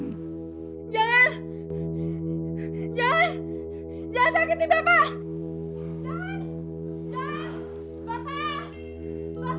jangan jangan jangan sakiti bapak